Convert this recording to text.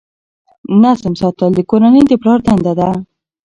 نظم ساتل د کورنۍ د پلار دنده ده.